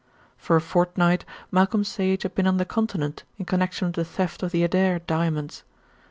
For a fortnight Malcolm Sage had been on the Continent in connection with the theft of the Adair Diamonds.